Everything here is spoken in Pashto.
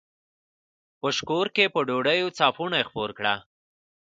په شکور کښې په ډوډو څپُوڼے خپور کړه۔